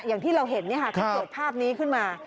อย่างที่เราเห็นนี่ค่ะเขาเกิดภาพนี้ขึ้นมา